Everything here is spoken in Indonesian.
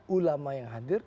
ulama yang hadir